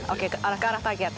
oke ke arah target